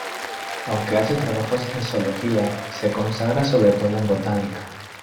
Aunque hace trabajos en zoología, se consagra sobre todo en la botánica.